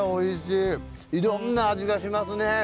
いろんな味がしますね。